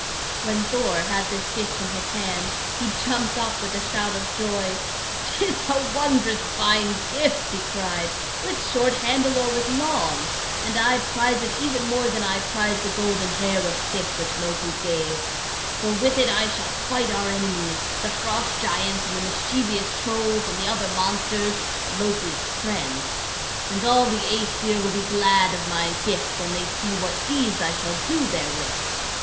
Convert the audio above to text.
When Thor had this gift in his hand, he jumped up with a shout of joy. "'Tis a wondrous fine gift," he cried, "with short handle or with long. And I prize it even more than I prize the golden hair of Sif which Loki gave. For with it I shall fight our enemies, the Frost Giants and the mischievous Trolls and the other monsters Loki's friends. And all the Æsir will be glad of my gift when they see what deeds I shall do therewith.